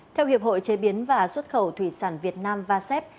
theo hiệp hội chế biến và xuất khẩu thủy sản việt nam vasep